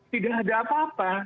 tidak ada apa apa